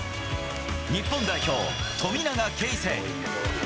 日本代表、富永啓生。